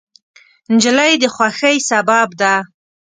نجلۍ د خوښۍ سبب ده.